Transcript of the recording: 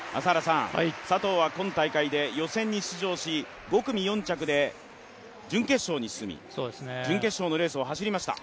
佐藤は今大会で予選に出場し５組４着で準決勝に進み、準決勝のレースを走りました。